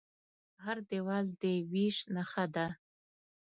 هر دیوال د وېش نښه ده.